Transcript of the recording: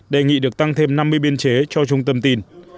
đề nghị được tăng thêm năm mươi biên chế cho trung tâm tin